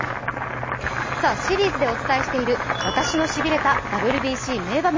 シリーズでお伝えしている、私のしびれたＷＢＣの名場面。